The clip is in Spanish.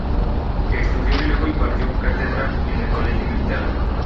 Estudió y luego impartió cátedra en el Colegio Militar.